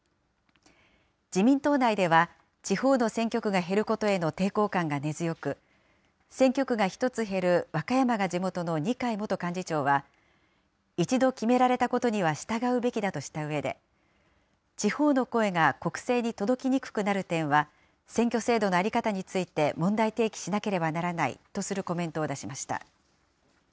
自民党内では、地方の選挙区が減ることへの抵抗感が根強く、選挙区が１つ減る和歌山が地元の二階元幹事長は、一度決められたことには従うべきだとしたうえで、地方の声が国政に届きにくくなる点は、選挙制度の在り方について問題提起しなければならないとするコメントを出しました。